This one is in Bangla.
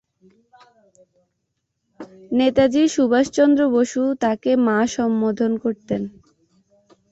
নেতাজী সুভাষ চন্দ্র বসু তাকে 'মা' সম্বোধন করতেন।